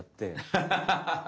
ハハハハ！